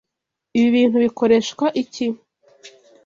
Ibi bintu bikoreshwa iki?